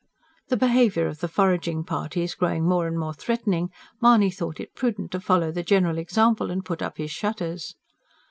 The behaviour of the foraging parties growing more and more threatening, Mahony thought it prudent to follow the general example and put up his shutters.